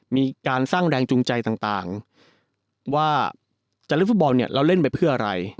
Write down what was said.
มีการสร้างแรงจูงใจต่างว่าจะเล่นฟุตบอลเนี่ยเราเล่นไปเพื่ออะไร